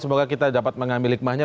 semoga kita dapat mengambil hikmahnya